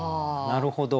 なるほど。